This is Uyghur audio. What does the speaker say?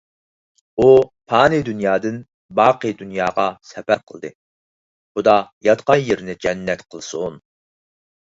ئۇ پانىي دۇنيادىن باقىي دۇنياغا سەپەر قىلدى. خۇدا ياتقان يېرىنى جەننەت قىلسۇن.